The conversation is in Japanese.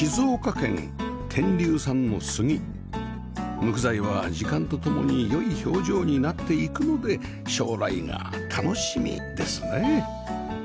木材は時間とともに良い表情になっていくので将来が楽しみですね